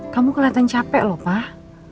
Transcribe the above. kamu kelihatan capek lho pak